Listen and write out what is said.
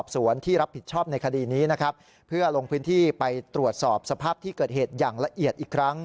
ส่วนเรื่องของคดี